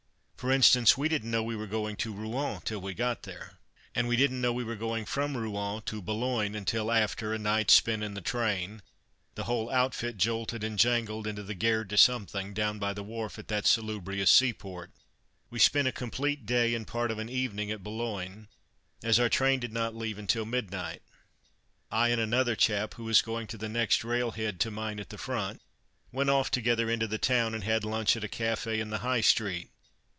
For instance, we didn't know we were going to Rouen till we got there; and we didn't know we were going from Rouen to Boulogne until, after a night spent in the train, the whole outfit jolted and jangled into the Gare de Something, down by the wharf at that salubrious seaport. We spent a complete day and part of an evening at Boulogne, as our train did not leave until midnight. [Illustration: having a smoke] I and another chap who was going to the next railhead to mine at the Front, went off together into the town and had lunch at a café in the High Street.